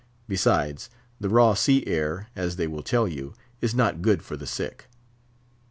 Besides, the raw sea air, as they will tell you, is not good for the sick.